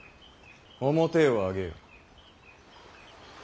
面を上げよ。